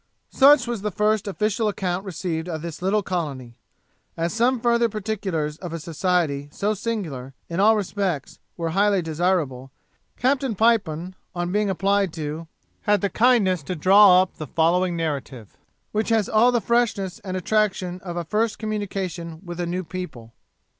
Such was the first official account received of this little colony. As some further particulars of a society so singular, in all respects, were highly desirable, Captain Pipon, on being applied to, had the kindness to draw up the following narrative, which has all the freshness and attraction of a first communication with a new people.